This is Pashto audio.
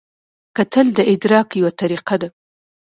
کتل د ادراک یوه طریقه ده